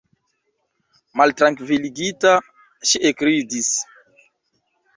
Maltrankviligita, ŝi ekridis.